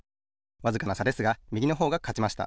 わずかなさですがみぎのほうがかちました。